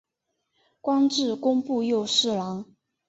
官至工部右侍郎。